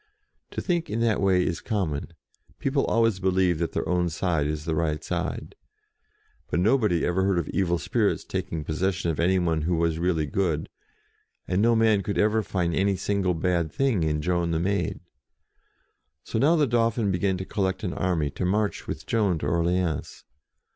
To think in that way is common : people always believe that their own side is the right side. But nobody ever heard of evil spirits taking possession of any one who was really good; and no man could ever find any single bad thing in Joan the Maid. So now the Dauphin began to collect an army to march with Joan to Orleans.